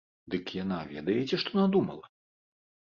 Дык яна ведаеце што надумала?